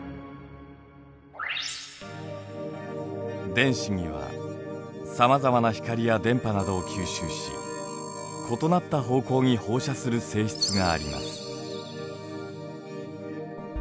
電子にはさまざまな光や電波などを吸収し異なった方向に放射する性質があります。